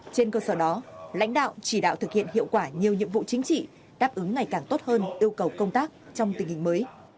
trên cơ sở đó lãnh đạo chỉ đạo thực hiện hiệu quả nhiều nhiệm vụ chính trị đáp ứng ngày càng tốt hơn yêu cầu công tác trong tình hình mới